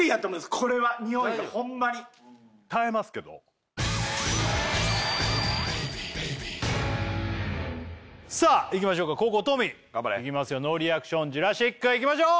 これはニオイがホンマに耐えますけどさあいきましょうか後攻トミー頑張れいきますよノーリアクションジュラシックいきましょう！